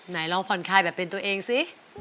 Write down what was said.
ไหนลองผ่อนคลายแบบเป็นตัวเองสิ